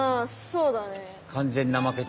そうだね。